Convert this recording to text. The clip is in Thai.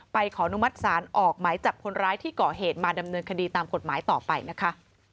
ขออนุมัติศาลออกหมายจับคนร้ายที่ก่อเหตุมาดำเนินคดีตามกฎหมายต่อไปนะคะ